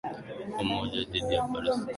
kwa moja kuu dhidi ya paris german